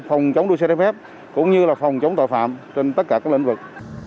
phòng chống đua xe đáy phép cũng như phòng chống tội phạm trên tất cả lĩnh vực